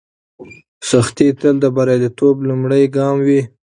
سختي تل د بریالیتوب لومړی ګام وي.